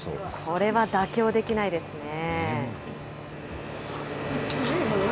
これは妥協できないですね。